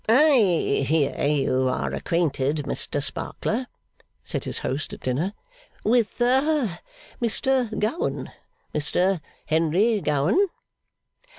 'I hear you are acquainted, Mr Sparkler,' said his host at dinner, 'with ha Mr Gowan. Mr Henry Gowan?